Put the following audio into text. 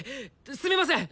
すみません！